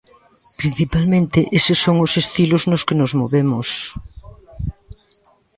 Principalmente eses son os estilos nos que nos movemos.